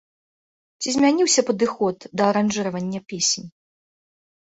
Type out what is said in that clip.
Ці змяніўся падыход да аранжыравання песень?